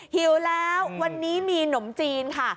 หิวแล้ววันนี้มีหนมจีนค่ะ